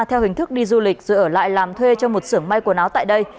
theo hình thức đi du lịch rồi ở lại làm thuê cho một xưởng mai quần áo tại đây